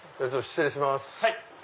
失礼します。